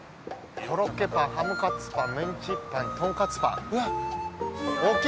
コロッケパンハムカツパンメンチパンにとんかつパンうわっうわ